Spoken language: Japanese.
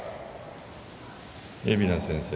海老名先生。